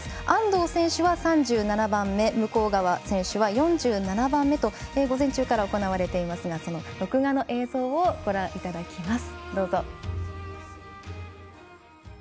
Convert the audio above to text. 安藤選手は３７番目向川選手は４７番目と午前中から行われていますが録画の映像をご覧いただきます。